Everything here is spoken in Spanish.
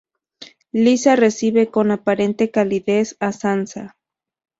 Lysa recibe con aparente calidez a Sansa.